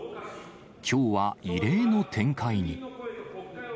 きょうは異例の展開に。